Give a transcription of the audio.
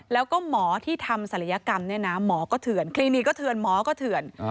แล้วก็หมอที่ทำศัลยกรรมเนี่ยนะหมอก็เถื่อนคลินิกก็เถื่อนหมอก็เถื่อน